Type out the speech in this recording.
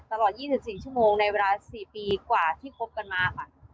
ตลอด๒๔ชั่วโมงในเวลา๔ปีกว่าที่คบกันมาค่ะ